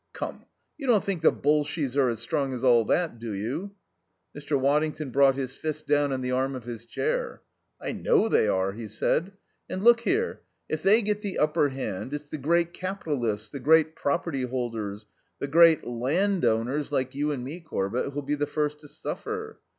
"Come, you don't think the Bolshies are as strong as all that, do you?" Mr. Waddington brought his fist down on the arm of his chair. "I know they are," he said. "And look here if they get the upper hand, it's the great capitalists, the great property holders, the great _land_owners like you and me, Corbett, who'll be the first to suffer....